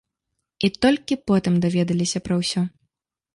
І толькі потым даведаліся пра ўсё.